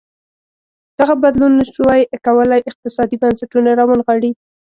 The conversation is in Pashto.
دغه بدلون نه ش وای کولی اقتصادي بنسټونه راونغاړي.